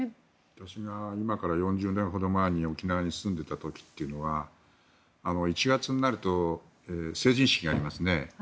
私が今から４０年ほど前に沖縄に住んでいた時というのは１月になると成人式がありますね。